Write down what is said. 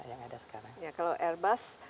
ada sekarang kalau airbus